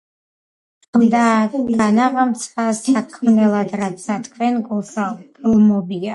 ხმდა განაღამცა საქმნელად, რაცა თქვენ გულსა გლმობია: